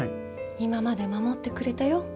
今まで守ってくれたよ。